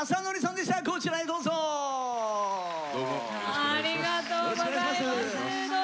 ありがとうございます。